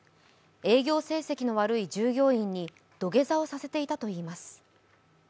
営業成績の悪い従業員に土下座をさせていたといいます。